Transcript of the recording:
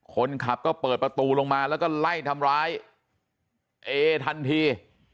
คนขับก็เปิดประตูลงมาแล้วก็ไล่ทำร้ายเอทันที